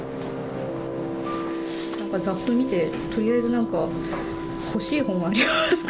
なんかざっと見てとりあえずなんか欲しい本ありますか？